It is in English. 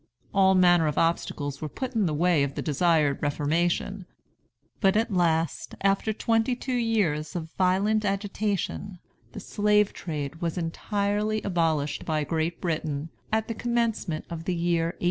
All manner of obstacles were put in the way of the desired reformation; but at last, after twenty two years of violent agitation, the slave trade was entirely abolished by Great Britain, at the commencement of the year 1808.